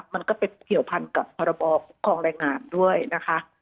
มันก็เป็นเกี่ยวพันธ์กับประบอบคุมคลองแรงงานด้วยนะคะ